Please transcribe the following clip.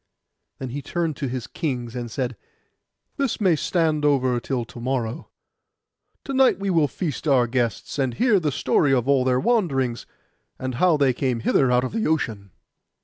Then he turned to his kings, and said, 'This may stand over till to morrow. To night we will feast our guests, and hear the story of all their wanderings, and how they came hither out of the ocean.